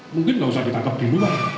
mungkin gak usah ditangkap di luar